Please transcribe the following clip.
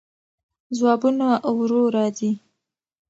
ځوابونه ورو راځي.